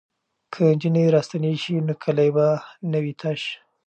که نجونې راستنې شي نو کلی به نه وي تش.